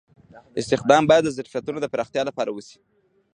استخدام باید د ظرفیتونو د پراختیا لپاره وشي.